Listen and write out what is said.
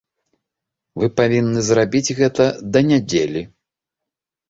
Вы павінны зрабіць гэта да нядзелі.